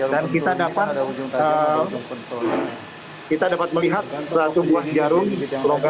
dan kita dapat melihat satu buah jarum logam